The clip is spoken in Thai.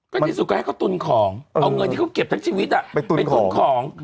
ก็ที่สุดก็ให้เขาตุนของเอาเงินที่เขาเก็บทั้งชีวิตไปตุนของ